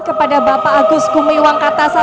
kepada bapak agus gumiwang katasa